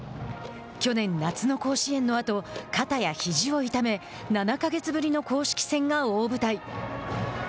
去年、夏の甲子園のあと肩やひじを痛め７か月ぶりの公式戦が大舞台。